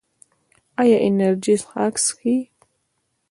ایا انرژي څښاک څښئ؟